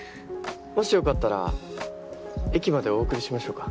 もしよかったら駅までお送りしましょうか。